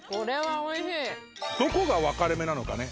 どこが分かれ目なのかね？